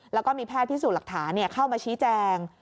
แล้วก็มีแพทย์พิสูจน์หลักฐานเข้ามาชี้แจง